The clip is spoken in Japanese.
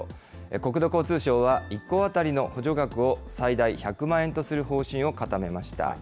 国土交通省は１戸当たりの補助額を最大１００万円とする方針を固めました。